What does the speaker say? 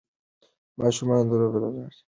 ماشومان د لوبو له لارې د فشار کمښت تجربه کوي.